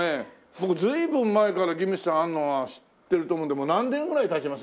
僕随分前からギンビスさんあるのは知ってると思うんでもう何年ぐらい経ちます？